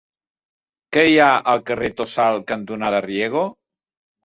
Què hi ha al carrer Tossal cantonada Riego?